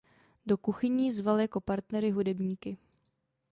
Do „Kuchyní“ zval jako partnery hudebníky.